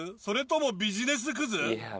それともビジネスくず？